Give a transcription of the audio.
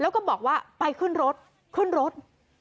แล้วก็บอกว่าไปขึ้นรถขึ้นรถ